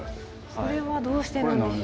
それはどうしてなんでしょう？